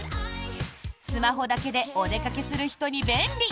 スマホだけでお出かけする人に便利。